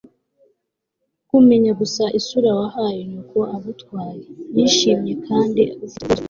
kumenya gusa isura wahaye nyoko agutwaye, yishimye kandi ufite ubwuzu